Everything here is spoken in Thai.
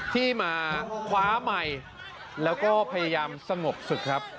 ที่มาคว้าใหม่แล้วก็พยายามสงบสุข